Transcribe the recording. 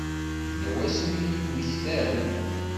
Yella wasmi i d-mmektan?